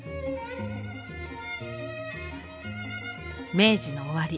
明治の終わり